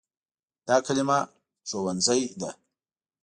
دا کلمه “ښوونځی” ده.